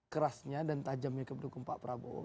kerasnya dan tajamnya ke pendukung pak prabowo